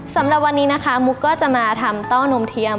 สำหรับวันนี้นะคะมุกก็จะมาทำเต้านมเทียม